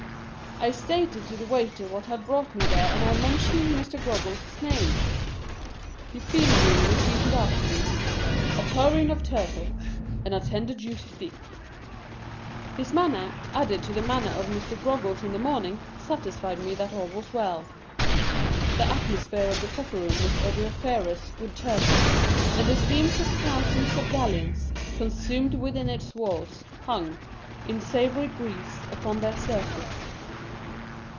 I stated to the waiter what had brought me there, and I mentioned Mr. Groggles' name. He feelingly repeated after me, "A tureen of Turtle, and a tender juicy steak." His manner, added to the manner of Mr. Groggles in the morning, satisfied me that all was well. The atmosphere of the coffee room was odoriferous with Turtle and the steams of thousands of gallons, consumed within its walls, hung, in savory grease, upon their surface.